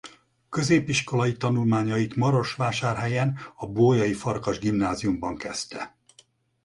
Középiskolai tanulmányait Marosvásárhelyen a Bolyai Farkas Gimnáziumban kezdte.